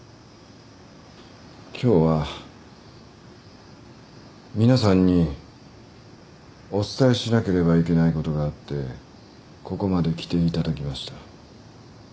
今日は皆さんにお伝えしなければいけないことがあってここまで来ていただきました。